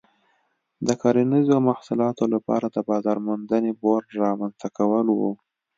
د کرنیزو محصولاتو لپاره د بازار موندنې بورډ رامنځته کول و.